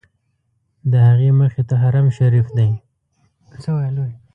د هغې مخې ته حرم شریف دی.